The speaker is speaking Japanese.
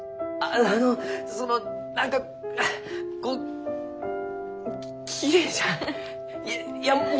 あのその何かああこうきれいじゃ。